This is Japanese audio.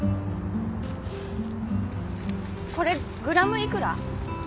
これグラムいくら？